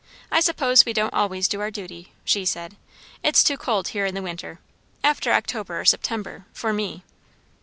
"I suppose we don't always do our duty," she said. "It's too cold here in the winter after October or September for me."